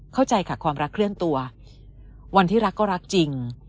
เข้าใจค่ะความรักเคลื่อนตัววันที่รักก็รักจริง